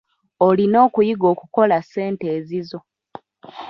Olina okuyiga okukola ssente ezizo.